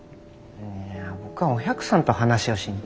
いや僕はお百さんと話をしに。